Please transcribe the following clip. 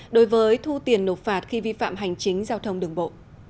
đối với thu tiền nộp phạt khi vi phạm hành chính giao thông đường bộ